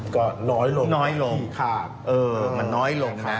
ก็น้อยลงมันน้อยลงนะ